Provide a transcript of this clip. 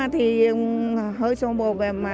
thì hơi sông bồ